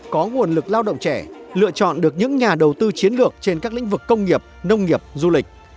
có nguồn lực lao động trẻ lựa chọn được những nhà đầu tư chiến lược trên các lĩnh vực công nghiệp nông nghiệp du lịch